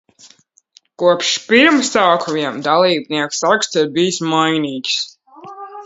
Kopš pirmsākumiem, dalībnieku saraksts ir bijis mainīgs.